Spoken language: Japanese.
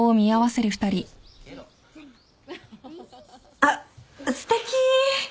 あっすてき。